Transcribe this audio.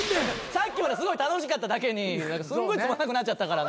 さっきまですごい楽しかっただけにすんごいつまんなくなっちゃったから。